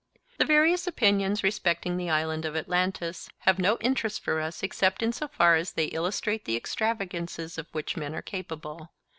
The various opinions respecting the Island of Atlantis have no interest for us except in so far as they illustrate the extravagances of which men are capable.